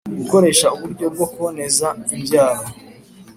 gukoresha uburyo bwo kuboneza imbyaro